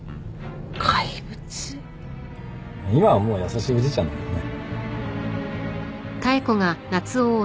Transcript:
今はもう優しいおじいちゃんだけどね。